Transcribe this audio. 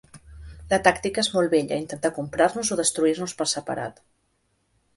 La tàctica és molt vella: intentar comprar-nos o destruir-nos per separat.